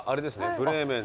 『ブレーメン』の。